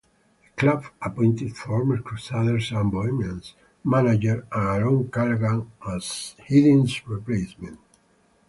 The club appointed former Crusaders and Bohemians manager Aaron Callaghan as Hardings replacement.